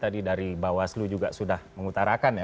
tadi dari bawah aslu juga sudah mengutarakan ya